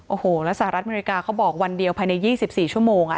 โอ้โหแล้วสหรัฐอเมริกาเขาบอกวันเดียวภายในยี่สิบสี่ชั่วโมงอ่ะ